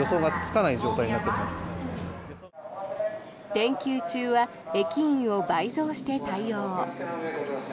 連休中は駅員を倍増して対応。